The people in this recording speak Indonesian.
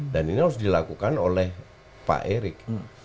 dan ini harus dilakukan oleh pak erik